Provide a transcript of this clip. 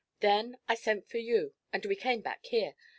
Then I sent for you, and we came back here.